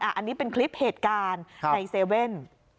อันนี้เป็นคลิปเหตุการณ์ในเซเว่น